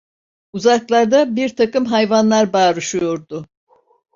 Uzaklarda birtakım hayvanlar bağnşıyordu.